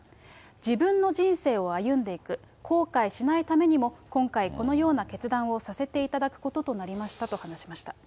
自分の人生を歩んでいく、後悔しないためにも、今回、このような決断をさせていただくこととなりましたと話しました。